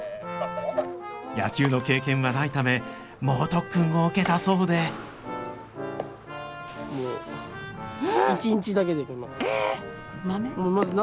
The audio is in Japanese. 野球の経験はないため猛特訓を受けたそうでもう１日だけでこんな。